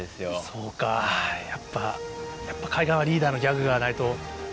そうかやっぱやっぱ海岸はリーダーのギャグがないと。